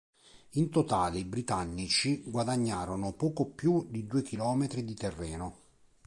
In totale i britannici guadagnarono poco più di due chilometri di terreno.